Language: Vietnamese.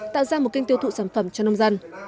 tạo ra một kênh tiêu thụ sản phẩm cho nông dân